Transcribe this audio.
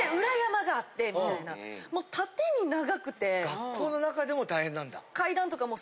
学校の中でも大変なんだ。